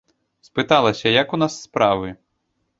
Спыталася, як у нас справы.